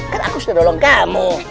kan aku sudah dolong kamu